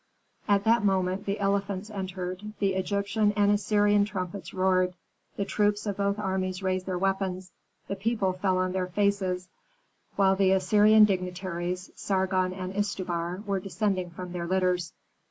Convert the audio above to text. At that moment the elephants entered, the Egyptian and Assyrian trumpets roared, the troops of both armies raised their weapons, the people fell on their faces, while the Assyrian dignitaries, Sargon and Istubar, were descending from their litters.